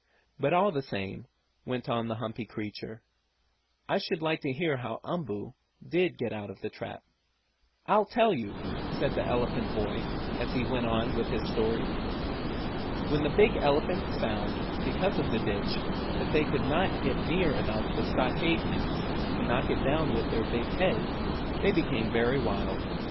"But, all the same," went on the humpy creature, "I should like to hear how Umboo did get out of the trap." "I'll tell you," said the elephant boy, and he went on with his story. When the big elephants found, because of the ditch, that they could not get near enough the stockade fence to knock it down with their big heads, they became very wild.